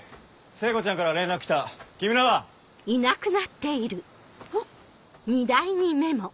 聖子ちゃんから連絡来た木村は？えっ？